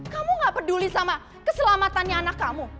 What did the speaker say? kamu gak peduli sama keselamatannya anak kamu